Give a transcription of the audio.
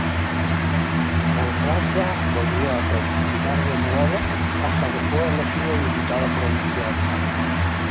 En Francia volvió a conspirar de nuevo, hasta que fue elegido diputado provincial.